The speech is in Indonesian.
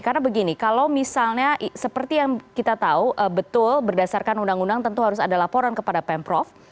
karena begini kalau misalnya seperti yang kita tahu betul berdasarkan undang undang tentu harus ada laporan kepada pemprov